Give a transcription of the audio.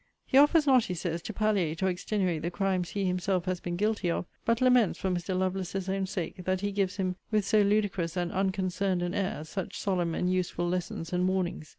He offers not, he says, to palliate or extenuate the crimes he himself has been guilty of: but laments, for Mr. Lovelace's own sake, that he gives him, with so ludicrous and unconcerned an air, such solemn and useful lessons and warnings.